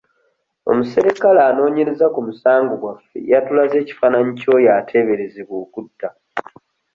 Omuserikale anoonyereza ku musango gwaffe yatulaze ekifaananyi ky'oyo ateeberezebwa okutta.